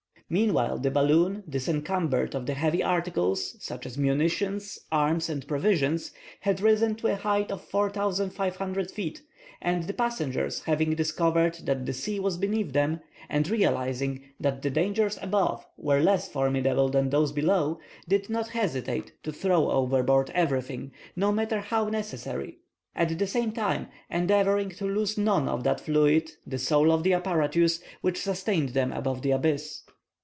Meanwhile the balloon, disencumbered of the heavy articles, such as munitions, arms, and provisions, had risen to a height of 4,500 feet, and the passengers having discovered that the sea was beneath them, and realizing that the dangers above were less formidable than those below, did not hesitate to throw overboard everything, no matter how necessary, at the same time endeavoring to lose none of that fluid, the soul of the apparatus, which sustained them above the abyss.